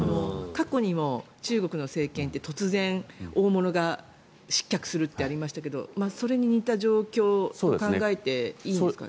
過去にも中国の政権って突然、大物が失脚するってありましたけどそれに似た状況と考えていいんですかね？